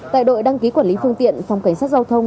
tại đội đăng ký quản lý phương tiện phòng cảnh sát giao thông